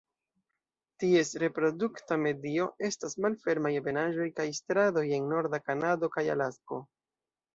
Ties reprodukta medio estas malfermaj ebenaĵoj kaj strandoj en norda Kanado kaj Alasko.